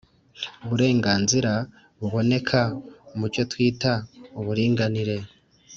burenganzira buboneka mu cyo twita uburinganire